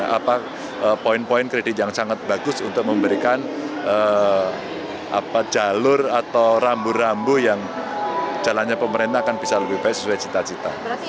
apa poin poin kredit yang sangat bagus untuk memberikan jalur atau rambu rambu yang jalannya pemerintah akan bisa lebih baik sesuai cita cita